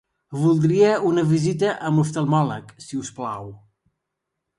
Voldria una visita amb l'oftalmòleg, si us plau.